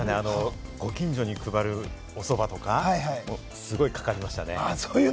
ご近所に配るおそばとか、すごいかかりましたね。